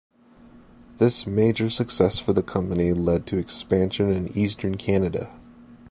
This major success for the company led to expansion in Eastern Canada.